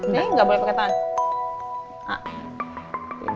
nih gak boleh pake tangan